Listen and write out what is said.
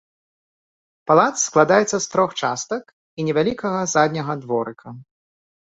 Палац складаецца з трох частак і невялікага задняга дворыка.